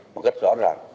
một cách rõ ràng